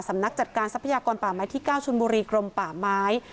นักจัดการทรัพยากรป่าไม้ที่๙ชนบุรีกรมป่าไม้